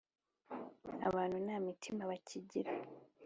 Abantu nta mitima bakigira